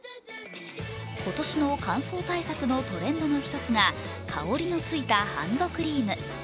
今年の乾燥対策のトレンドの１つが香りのついたハンドクリーム。